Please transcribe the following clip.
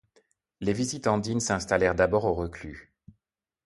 Les visitandines s’installèrent d’abord au Reclus.